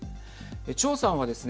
張さんはですね